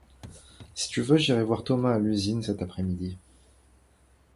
Si tu veux, j'irai voir Thomas à l'usine, cet après-midi.